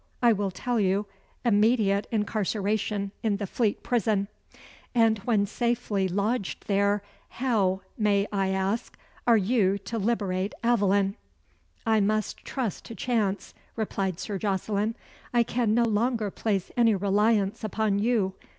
I will tell you: immediate incarceration in the Fleet Prison. And when safely lodged there, how, may I ask, are you to liberate Aveline?" "I must trust to chance," replied Sir Jocelyn. "I can no longer place any reliance upon you.